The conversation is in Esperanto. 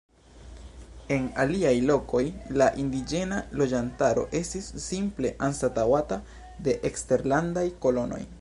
En aliaj lokoj, la indiĝena loĝantaro estis simple anstataŭata de eksterlandaj kolonoj.